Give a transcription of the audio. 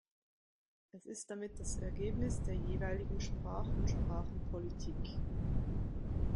Es ist damit das Ergebnis der jeweiligen Sprach- und Sprachenpolitik.